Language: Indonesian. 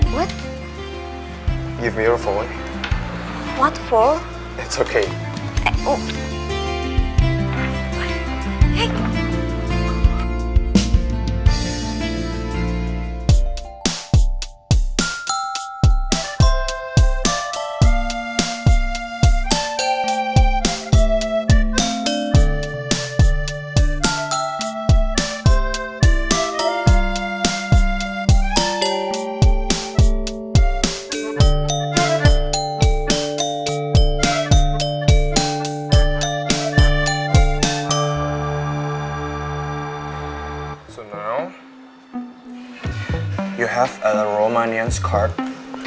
maksudku bisa bisa tiap peranglah kita elok elok nyet gak parah terlalu agak mati